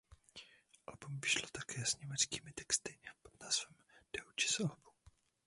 Album vyšlo také s německými texty pod názvem "Deutsches Album".